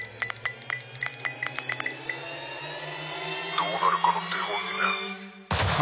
どうなるかの手本にね。